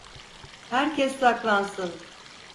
Herkes saklansın!